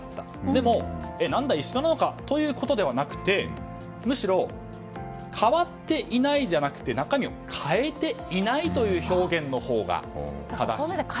でも、何だ一緒なのかということではなくてむしろ変わっていないじゃなくて中身を変えていないという表現のほうが正しいと。